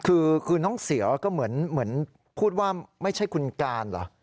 คือน้องเสือก็เหมือนพูดว่าไม่ใช่คุณการเหรอ